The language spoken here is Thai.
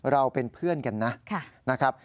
เราเป็นเพื่อนกันนะ